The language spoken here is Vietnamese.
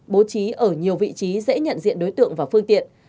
bố trí ở nhiều vị trí dễ nhận diện đối tượng và phương tiện